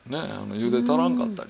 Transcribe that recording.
ゆで足らんかったり。